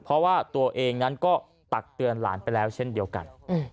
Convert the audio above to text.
เพราะว่าตัวเองนั้นก็ตักเตือนหลานไปแล้วเช่นเดียวกัน